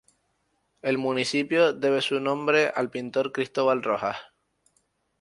El municipio debe su nombre al pintor Cristóbal Rojas.